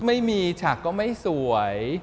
ไม่มีฉากก็ไม่สวย